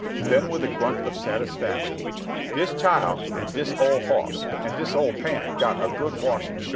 Then with a grunt of satisfaction, "Dis chile an' dis ole boss an dis ole pan got a good washin' sho."